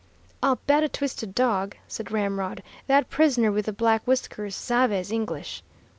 "I'll bet a twist of dog," said Ramrod, "that prisoner with the black whiskers sabes English.